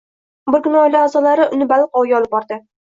Bir kuni oila a’zolari uni baliq oviga olib bordi